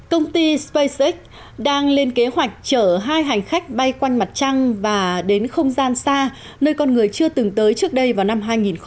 công ty spaceex đang lên kế hoạch chở hai hành khách bay quanh mặt trăng và đến không gian xa nơi con người chưa từng tới trước đây vào năm hai nghìn một mươi bảy